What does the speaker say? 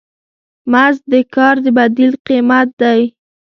مزد د کار د بدیل قیمت دی.